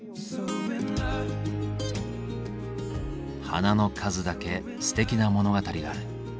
花の数だけすてきな物語がある。